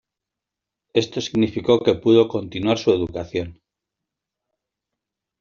Esto significó que pudo continuar su educación.